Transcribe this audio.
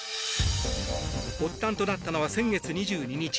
発端となったのは先月２２日。